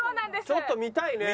ちょっと見たいね。